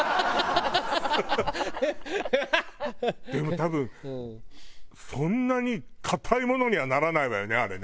でも多分そんなに硬いものにはならないわよねあれね。